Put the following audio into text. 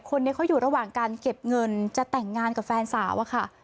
คนนี้เขาอยู่ระหว่างการเก็บเงินจะแต่งงานกับแฟนสาวอะค่ะ